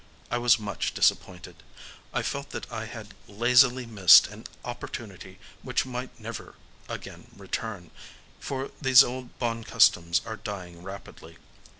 I was much disappointed: I felt that I had lazily missed an opportunity which might never again return,—for these old Bon customs are dying rapidly.